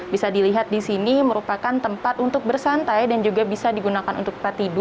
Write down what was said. bisa dilihat di sini merupakan tempat untuk bersantai dan juga bisa digunakan untuk tempat tidur